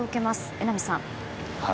榎並さん。